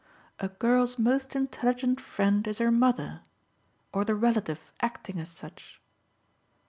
A girl's most intelligent friend is her mother or the relative acting as such.